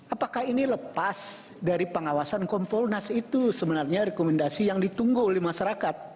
apakah ini lepas dari pengawasan kompolnas itu sebenarnya rekomendasi yang ditunggu oleh masyarakat